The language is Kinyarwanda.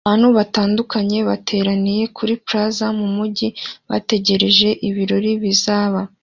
Abantu batandukanye bateraniye kuri plaza yumujyi bategereje ibirori bizaba